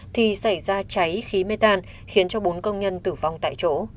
thì xảy ra cháy khí mê tan khiến cho bốn công nhân tử vong tại chỗ